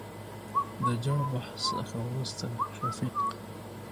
دجړبحث څخه ورورسته شفيق